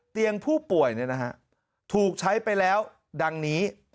เตียงผู้ป่วยถูกใช้ไปแล้วดังนี้